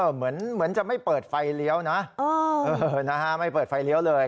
เหมือนเหมือนจะไม่เปิดไฟเลี้ยวนะเออนะฮะไม่เปิดไฟเลี้ยวเลย